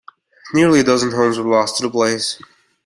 Nearly a dozen homes were lost to the blaze.